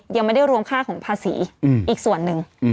ยังไม่ได้รวมค่าของภาษีอีกส่วนหนึ่ง